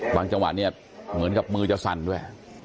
จังหวะเนี่ยเหมือนกับมือจะสั่นด้วย